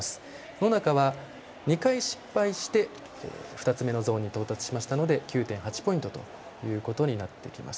野中は、２回失敗して２つ目のゾーンに到達しましたので９．８ポイントということになります。